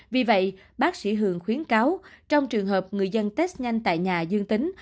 vì vậy bác sĩ hường khuyến cáo trong trường hợp người dân test nhanh tại nhà dương tính